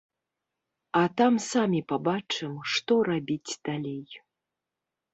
А там самі пабачым, што рабіць далей.